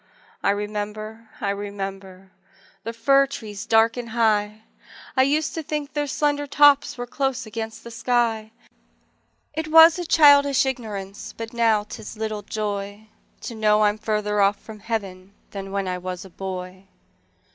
I remember, I remember The fir trees dark and high; I used to think their slender tops Were close against the sky: It was a childish ignorance, But now 'tis little joy To know I'm farther off from Heaven Than when I was a boy.